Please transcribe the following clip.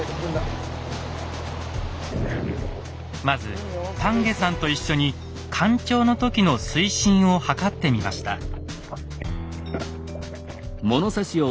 まず田家さんと一緒に干潮の時の水深を測ってみました。